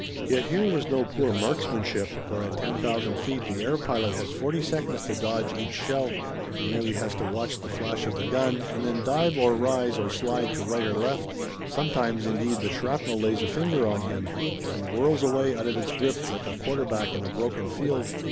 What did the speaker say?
Yet here was no poor marksmanship, for at ten thousand feet the air pilot has forty seconds to dodge each shell. He merely has to watch the flash of the gun and then dive or rise or slide to right or left. Sometimes, indeed, the shrapnel lays a finger on him, but he whirls away out of its grip like a quarterback in a broken field.